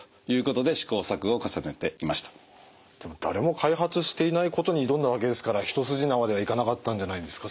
でも誰も開発していないことに挑んだわけですから一筋縄ではいかなかったんじゃないんですか？